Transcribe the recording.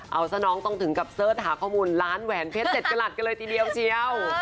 เอาซะน้องต้องถึงกับเสิร์ชหาข้อมูลร้านแหวนเพชร๗กระหลัดกันเลยทีเดียวเชียว